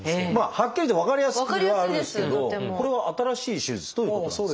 はっきり分かりやすくはあるんですけどこれは新しい手術ということですか？